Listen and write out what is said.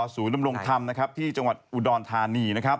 อศูนย์นำรงค์ธรรมที่จังหวัดอุดรธานี